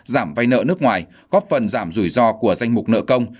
giảm vay nợ nước ngoài góp phần giảm rủi ro của danh mục nợ công